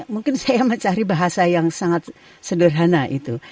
mungkin saya mencari bahasa yang sangat sederhana itu